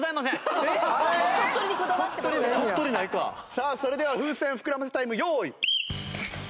さあそれでは風船膨らませタイム用意。